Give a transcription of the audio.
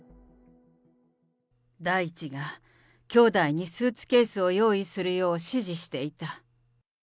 大地がきょうだいにスーツケースを用意するよう指示していた。